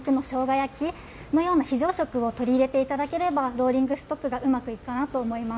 焼きのような非常食を取り入れていただければ、ローリングストックがうまくいくかなと思います。